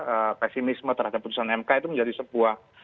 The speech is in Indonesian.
eee pesimisme terhadap keputusan mk itu menjadi sebuah